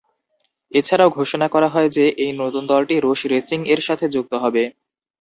এছাড়াও ঘোষণা করা হয় যে, এই নতুন দলটি রুশ রেসিং-এর সাথে যুক্ত হবে।